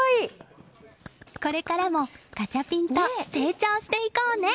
これからもガチャピンと成長していこうね。